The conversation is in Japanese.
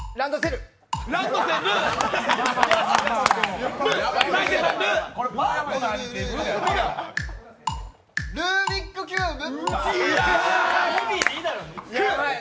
ル、ル、ルービックキューブ。